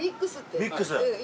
ミックス。